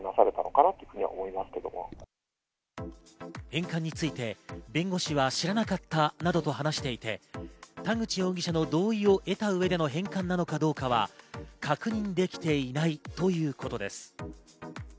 返還について弁護士は知らなかったなどと話していて、田口容疑者の同意を得た上での返還なのかどうかは確認できていないということです。